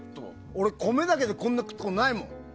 俺、米だけでこんな食ったことないもん。